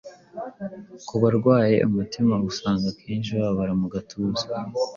ku barwaye umutima usanga akenshi bababara mu gatuza